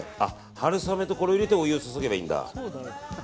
春雨とこれを入れてお湯を注げばいいんだ。